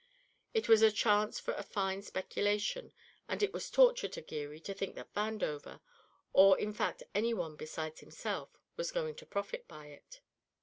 It was a chance for a fine speculation, and it was torture to Geary to think that Vandover, or in fact any one besides himself, was going to profit by it.